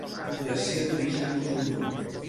Població d'origen musulmà.